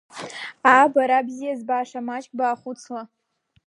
Аа, бара, бзиа збаша, маҷк баахәыцла!